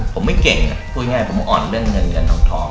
ผมไม่เก่งพูดง่ายผมอ่อนเรื่องเงินเงินทอง